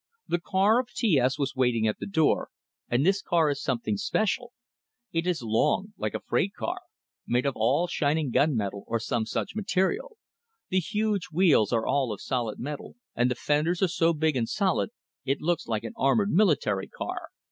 The car of T S was waiting at the door, and this car is something special. It is long, like a freight car, made all of shining gun metal, or some such material; the huge wheels are of solid metal, and the fenders are so big and solid, it looks like an armored military car.